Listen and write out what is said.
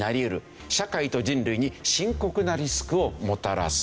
社会と人類に深刻なリスクをもたらす。